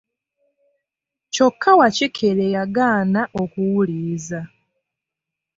Kyokka Wakikere yagaana okuwuliriza.